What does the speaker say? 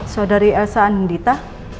saudari elsa dan dita